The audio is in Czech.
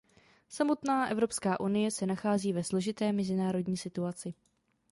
Samotná Evropská unie se nachází ve složité mezinárodní situaci.